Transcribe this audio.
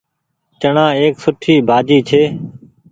چڻآ ايڪ سُٺي ڀآڃي ڇي۔